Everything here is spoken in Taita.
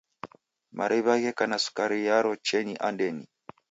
Mariw'a gheka na sukari yaro cheni andenyi.